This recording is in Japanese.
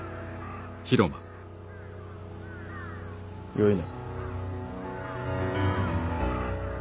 よいな？